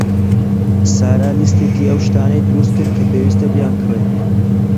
سارا لیستێکی ئەو شتانەی دروست کرد کە پێویستە بیانکڕێت.